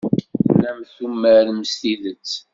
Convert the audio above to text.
Tellam tumarem s tidet.